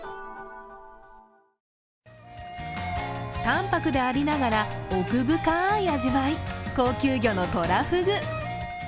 淡泊でありながら奥深い味わい、高級魚のトラフグ。